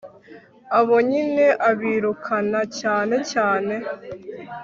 abo nyine abirukana cyane cyane